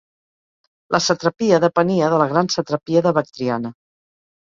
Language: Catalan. La satrapia depenia de la gran satrapia de Bactriana.